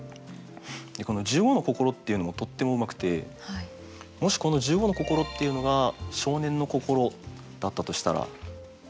この「十五の心」っていうのもとってもうまくてもしこの「十五の心」っていうのが「少年の心」だったとしたら。